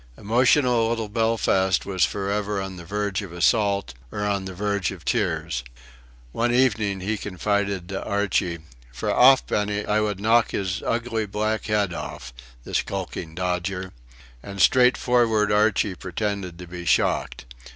Emotional little Belfast was for ever on the verge of assault or on the verge of tears. One evening he confided to Archie: "For a ha'penny I would knock his ugly black head off the skulking dodger!" And the straightforward Archie pretended to be shocked!